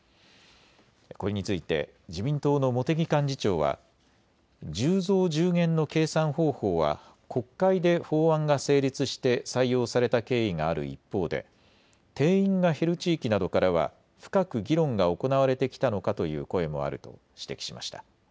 これについて自民党の茂木幹事長は１０増１０減の計算方法は国会で法案が成立して採用された経緯がある一方で、定員が減る地域などからは深く議論が行われてきたのかという声もあると指摘しました。